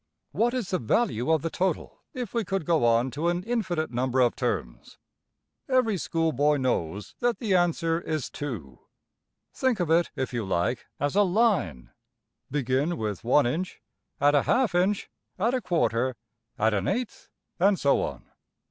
What is the value of the total if we could go on to an infinite number of terms? Every schoolboy knows that the answer is~$2$. Think of it, if you like, as a line. Begin with \Figure[3.5in]{195a} one inch; add a half inch, add a quarter; add an eighth; and so on.